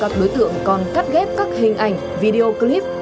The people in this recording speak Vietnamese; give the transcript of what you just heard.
các đối tượng còn cắt ghép các hình ảnh video clip